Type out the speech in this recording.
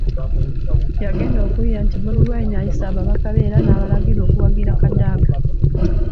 Yagenda okuwulira nti Bobi Wine ayise ababaka be era n’abalagira okuwagira Kadaga.